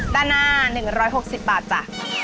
ตานะ๑๖๐บาทจ้ะ